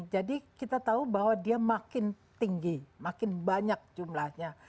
jadi kita tahu bahwa dia makin tinggi makin banyak jumlahnya